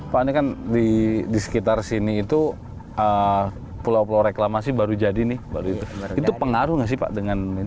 pak ini kan di sekitar sini itu pulau pulau reklamasi baru jadi nih itu pengaruh nggak sih pak dengan ini